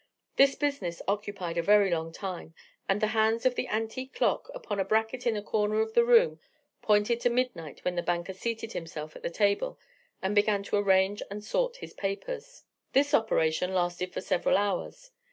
This business occupied a very long time, and the hands of an antique clock, upon a bracket in a corner of the room, pointed to midnight when the banker seated himself at the table, and began to arrange and sort his papers. This operation lasted for several hours.